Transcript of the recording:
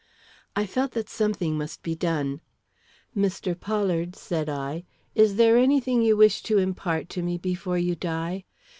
I felt that something must be done. "Mr. Pollard," said I, "is there any thing you wish to impart to me before you die?